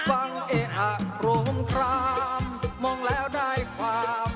ฟังเมตอพรมภาพมองแล้วได้ความ